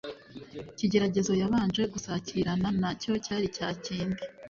Ikigeragezo yabanje gusakirana na cyo cyari cya kindi